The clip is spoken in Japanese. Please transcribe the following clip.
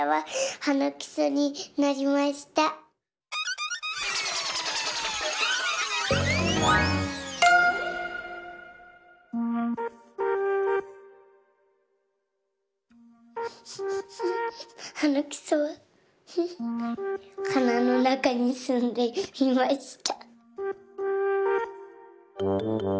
はなくそははなのなかにすんでいました。